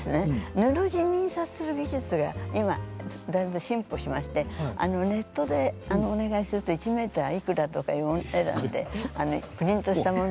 布地に印刷する技術が今だいぶ進歩しましてネットでお願いすると１ｍいくらとかでプリントしたもの。